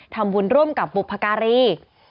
ทำบุญร่วมกับบุพการี